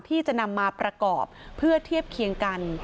ที่จะนำมาประกอบเพื่อเทียบเคียงกัน